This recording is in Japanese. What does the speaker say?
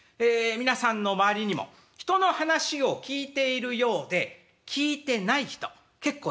皆さんの周りにも人の話を聞いているようで聞いてない人結構いますね。